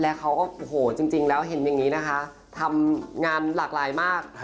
และเขาก็โอ้โหจริงแล้วเห็นอย่างนี้นะคะทำงานหลากหลายมาก